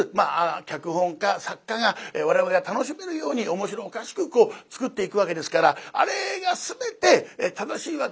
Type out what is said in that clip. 脚本家作家が我々が楽しめるように面白おかしく作っていくわけですからあれが全て正しいわけではない。